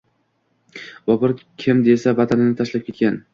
Bobur kim desa, vatanini tashlab ketgan.